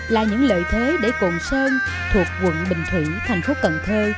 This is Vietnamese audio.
là những lợi thế để cồn sơn thuộc quận bình thủy thành phố cần thơ